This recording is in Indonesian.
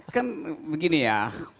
kan begini ya